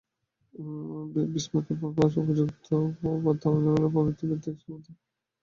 বিস্ময়করভাবে, উন্মুক্ত উপাত্ত আন্দোলনের প্রবৃদ্ধি বৌদ্ধিক সম্পত্তির অধিকার বৃদ্ধির সাথে সমান্তরাল।